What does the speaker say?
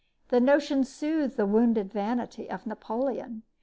The notion soothed the wounded vanity of Napoleon.